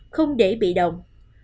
không để bị động